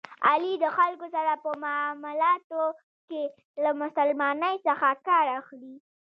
علي د خلکو سره په معاملاتو کې له مسلمانی څخه کار اخلي.